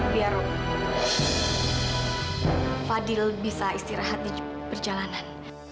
biar fadil bisa istirahat di perjalanan